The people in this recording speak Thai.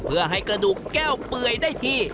เพื่อให้กระดูกแก้วเปื่อยได้ที่